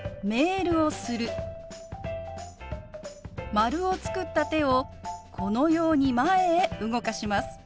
丸を作った手をこのように前へ動かします。